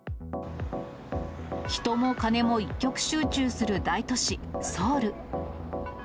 人も金も一極集中する大都市、ソウル。